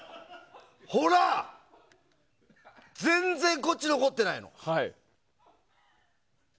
全然、こっちに残ってないの。